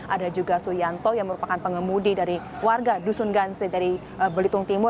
ada juga suyanto yang merupakan pengemudi dari warga dusun gansi dari belitung timur